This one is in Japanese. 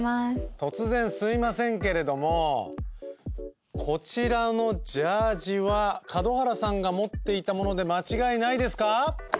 突然すいませんけれどもこちらのジャージは門原さんが持っていたもので間違いないですか？